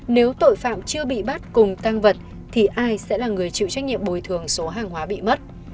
nếu tội phạm chưa bị bắt cùng tăng vật thì ai sẽ là người chịu trách nhiệm bồi thường số hàng hóa bị mất